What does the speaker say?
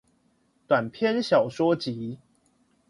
短篇小說集